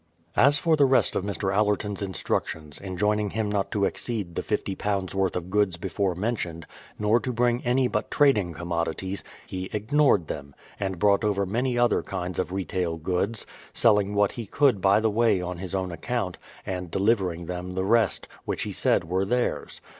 As for the rest of Mr. Allerton's instructions, enjoining him not to exceed the £50 worth of goods before mentioned, nor to bring any but trading commodities, he ignored them, and brouglit over many other kinds of retail goods, selling what he could by the way on his own account, and delivering them the rest, which he said were theirs.